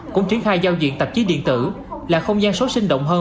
cũng triển khai giao diện tạp chí điện tử là không gian số sinh động hơn